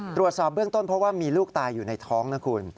ตรวจสอบเบื้องต้นเพราะว่ามีลูกตายอยู่ในท้องนะคุณ